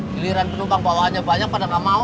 giliran penumpang bawaannya banyak pada gak mau